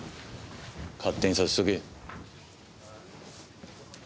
勝手にさせとけ。